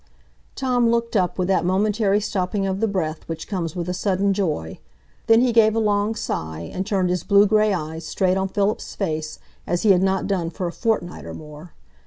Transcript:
Tom looked up with that momentary stopping of the breath which comes with a sudden joy; then he gave a long sigh, and turned his blue gray eyes straight on Philip's face, as he had not done for a fortnight or more.